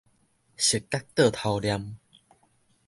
熟甲倒頭唸